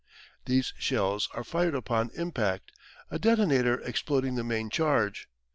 These shells are fired upon impact, a detonator exploding the main charge.